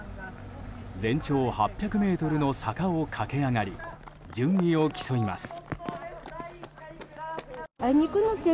全長８００ｍの坂を駆け上がり順位を競います。